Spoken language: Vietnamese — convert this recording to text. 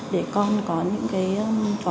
để con có những cái có hàng răng chắc khỏe